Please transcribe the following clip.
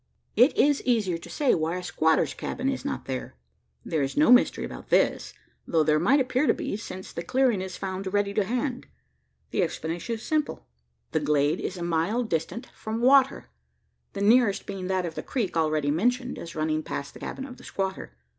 It is easier to say why a squatter's cabin is not there. There is no mystery about this: though there might appear to be, since the clearing is found ready to hand. The explanation is simple: the glade is a mile distant from water the nearest being that of the creek already mentioned as running past the cabin of the squatter.